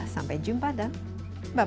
sampai jumpa dah